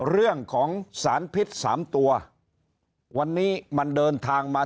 เรื่องของสารพิษสามตัววันนี้มันเดินทางมา